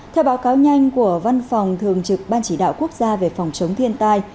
theo báo cáo nhanh của văn phòng thường trực ban chỉ đạo quốc gia về phòng chống thiên tai